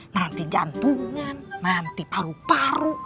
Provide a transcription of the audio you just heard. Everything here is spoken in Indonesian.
nanti jantungan nanti paru paru